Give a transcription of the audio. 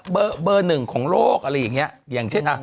เบอร์เบอร์หนึ่งของโลกอะไรอย่างเงี้ยอย่างเช่นอ่ะ